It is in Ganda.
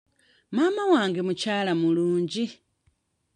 Maama wange mukyala mulungi.